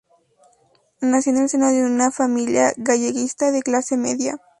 Nació en el seno de una familia galleguista de clase media.